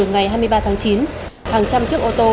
ngày hai mươi ba tháng chín hàng trăm chiếc ô tô